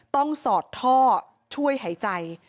สอดท่อช่วยหายใจ